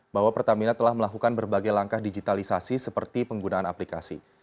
bahwa pertamina telah melakukan berbagai langkah digitalisasi seperti penggunaan aplikasi